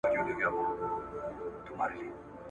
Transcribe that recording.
له دانا مي زړګی شین دی په نادان اعتبار نسته ..